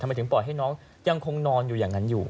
ทำไมถึงปล่อยให้น้องยังคงนอนอยู่อย่างนั้นอยู่